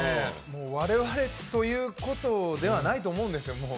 我々ということではないと思うんですよ、もう。